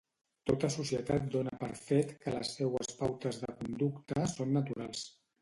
Tota societat dóna per fet que les seues pautes de conducta són naturals.